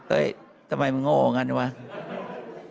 เอ้ยทำไมมันโง่นั่นอยู่บ้าง